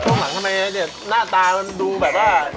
ต่างหลังทำไมน่าตาดูแบบว่า